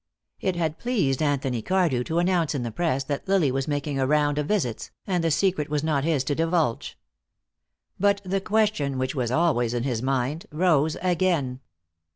It had pleased Anthony Cardew to announce in the press that Lily was making a round of visits, and the secret was not his to divulge. But the question which was always in his mind rose again.